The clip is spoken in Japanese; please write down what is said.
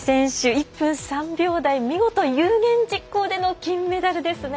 １分３秒台見事有言実行での金メダルですね。